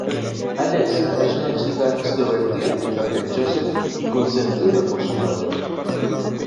Alexa es una chica extrovertida, caprichosa y consentida por su madre.